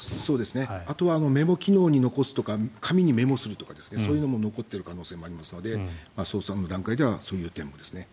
あとはメモ機能に残すとか紙にメモするとか、そういうのも残っている可能性がありますので捜査の段階ではそういう手ですね。